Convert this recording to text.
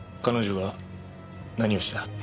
彼女が何をした？